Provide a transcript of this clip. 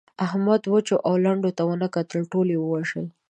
احمد وچو او لندو ته و نه کتل؛ ټول يې ووژل.